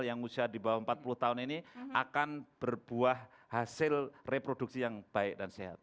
yang usia di bawah empat puluh tahun ini akan berbuah hasil reproduksi yang baik dan sehat